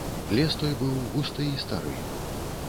Лес той быў густы і стары.